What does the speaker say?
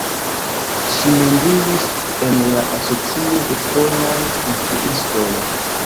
Ŝi membriĝis en la Asocio de Polaj Instruistoj.